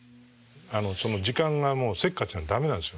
時間がもうせっかちなんで駄目なんですよ。